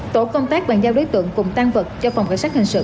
tổ công tác bàn giao đối tượng cùng tan vật cho phòng cảnh sát hình sự